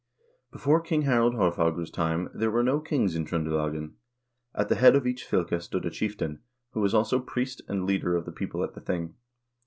Before King Harald Haarfagre's time there were no kings in Tr0nde~ lagen. At the head of each fylke stood a chieftain, who was also priest and leader of the people at the thing.